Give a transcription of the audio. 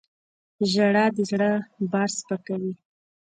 • ژړا د زړه بار سپکوي.